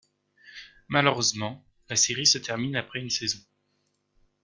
Malheureusement, la série se termine après une saison.